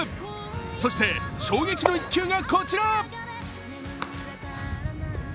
そして衝撃の一球がこちら。